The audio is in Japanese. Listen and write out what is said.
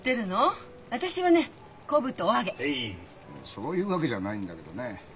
そういうわけじゃないんだけどね。